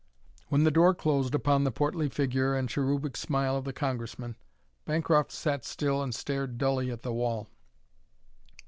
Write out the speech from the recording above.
When the door closed upon the portly figure and cherubic smile of the Congressman, Bancroft sat still and stared dully at the wall.